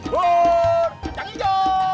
bur jang ijo